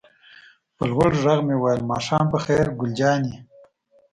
په لوړ غږ مې وویل: ماښام په خیر ګل جانې.